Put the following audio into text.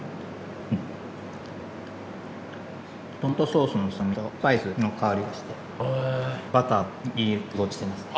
トマトソースの酸味とスパイスの香りがしてバターもいい仕事してますね。